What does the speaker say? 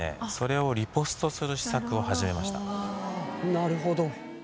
なるほど。